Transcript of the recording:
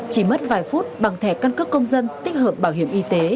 chỉ mất vài phút bằng thẻ căn cước công dân tích hợp bảo hiểm y tế